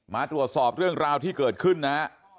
มาตรวจสอบเรื่องราวที่เกิดขึ้นนะฮะ